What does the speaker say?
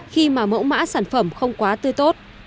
khi mà mẫu mã sản phẩm không quá tư tốt